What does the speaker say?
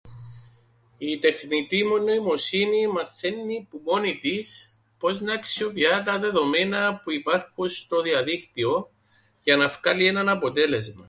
Η τεχνητή νοημοσύνη μαθαίννει που μόνη της πώς να αξιοποιά τα δεδομένα που υπάρχουν στο διαδίκτυον, για να φκάλει έναν αποτέλεσμαν.